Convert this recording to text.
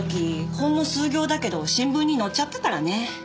ほんの数行だけど新聞に載っちゃったからね。